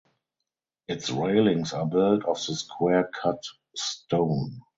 Its railings are built of the square cut stone.